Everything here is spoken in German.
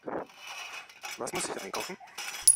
Was muss ich einkaufen?